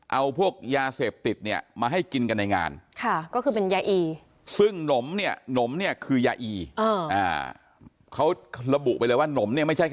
เอาพวกยาเสพติดเนี่ยมาให้กินกันในงานค่ะก็คือเป็นยาอีซึ่งหนมเนี่ยหนมเนี่ยคือยาอีเขาระบุไปเลยว่าหนมเนี่ยไม่ใช่